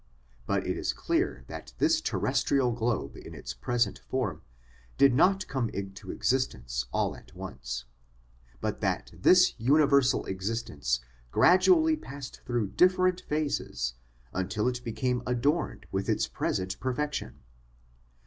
But it is clear that this terrestrial globe in its present form did not come into existence all at once ; but that this universal existence gradually passed through different phases until it became adorned with its present perfection.